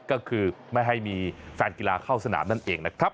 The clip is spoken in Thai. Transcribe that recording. ก็คือไม่ให้มีแฟนกีฬาเข้าสนามนั่นเองนะครับ